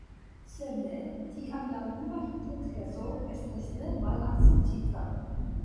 Se ne, tiam la nula hipotezo estas ne malakceptita.